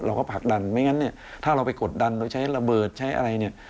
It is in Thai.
ผลักดันไม่งั้นเนี่ยถ้าเราไปกดดันเราใช้ระเบิดใช้อะไรเนี่ย